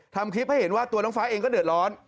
ทำคลิปให้เห็นว่าตัวน้องฟ้าเองก็เดือดร้อน